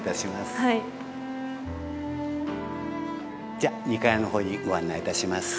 じゃ２階の方にご案内いたします。